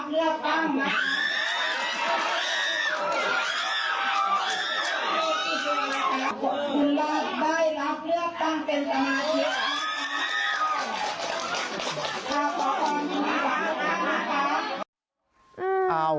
คุณได้รับเรื่องตั้งความทิ้งคร่าว